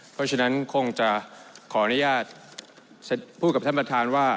เพราะฉะนั้นคงจะขออนุญาตพูดกับท่านประธานว่า